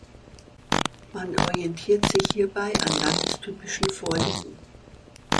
Man orientiert sich hierbei an landestypischen Vorlieben.